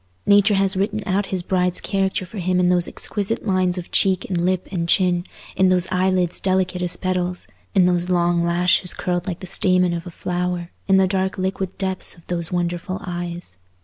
Nature has written out his bride's character for him in those exquisite lines of cheek and lip and chin, in those eyelids delicate as petals, in those long lashes curled like the stamen of a flower, in the dark liquid depths of those wonderful eyes.